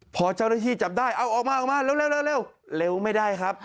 พอเจ้าหน้าที่จับได้เอาออกมาออกมาเร็วเร็วไม่ได้ครับ